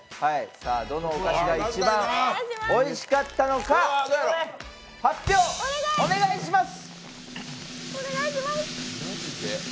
どのお菓子が一番おいしかったのか発表、お願いします！